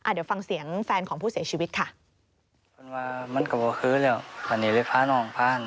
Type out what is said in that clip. เดี๋ยวฟังเสียงแฟนของผู้เสียชีวิตค่ะ